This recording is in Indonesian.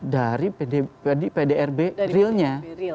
dari pdrb realnya